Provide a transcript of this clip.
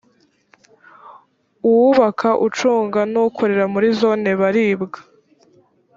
uwubaka ucunga n ukorera muri zone baribwa